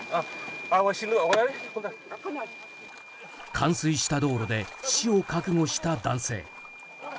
冠水した道路で死を覚悟した男性。